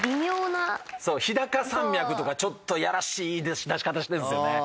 そう日高山脈とかちょっとやらしい出し方してるんですよね。